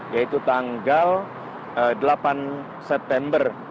yaitu tanggal delapan september dua ribu delapan belas